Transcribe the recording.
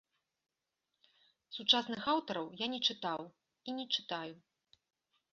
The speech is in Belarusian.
Сучасных аўтараў я не чытаў і не чытаю.